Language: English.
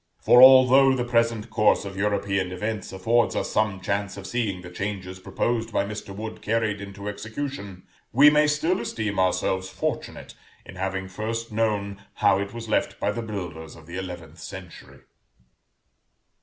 For, although, the present course of European events affords us some chance of seeing the changes proposed by Mr. Wood carried into execution, we may still esteem ourselves fortunate in having first known how it was left by the builders of the eleventh century.